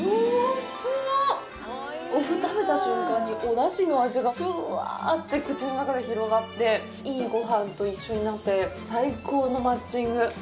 お麩食べた瞬間にお出汁の味がふわって口の中で広がっていいごはんと一緒になって最高のマッチング。